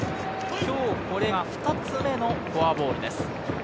今日これが２つ目のフォアボールです。